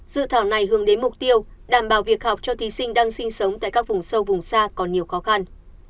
dự thảo này hướng đến mục tiêu đảm bảo việc học cho thí sinh đang sinh sống tại các vùng sâu vùng xa còn nhiều khó khăn